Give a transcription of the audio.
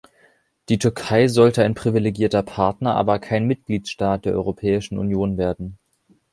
Die Türkei sollte ein privilegierter Partner, aber kein Mitgliedstaat der Europäischen Union werden.